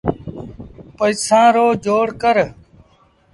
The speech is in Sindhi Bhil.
پئيٚسآݩ رو جوڙ ڪر۔